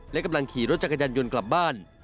และกำลังขี่รถจักรยานยนต์กลับบ้าน